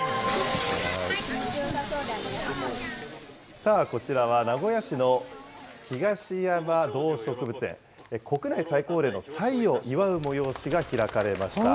さあ、こちらは名古屋市の東山動植物園、国内最高齢のサイを祝う催しが開かれました。